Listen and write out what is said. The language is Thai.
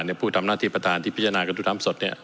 ในผู้ทำหน้าทีประทานที่พิจารณากระทู้ถามสด